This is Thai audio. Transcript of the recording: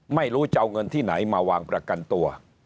ไม่รู้จะเอาเงินที่ไหนมาวางประกันตัว